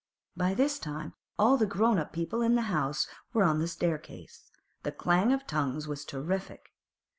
By this time all the grown up people in the house were on the staircase; the clang of tongues was terrific.